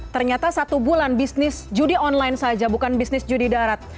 ternyata satu bulan bisnis judi online saja bukan bisnis judi darat